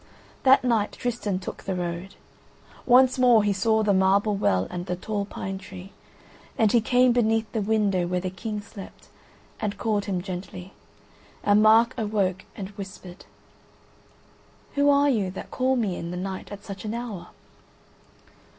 That night Tristan took the road. Once more he saw the marble well and the tall pine tree, and he came beneath the window where the King slept, and called him gently, and Mark awoke and whispered: "Who are you that call me in the night at such an hour?"